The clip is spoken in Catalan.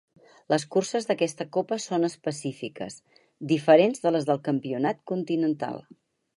Les curses d'aquesta copa són específiques, diferents de les del campionat continental.